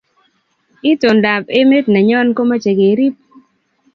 Itondab emeet nenyoo ko mochei keriib